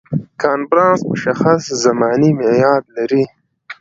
کنفرانس مشخص زماني معیاد لري.